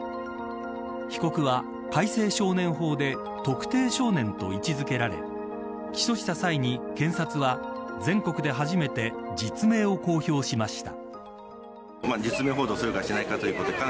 被告は改正少年法で特定少年と位置付けられ起訴した際に、検察は全国で初めて実名を公表しました。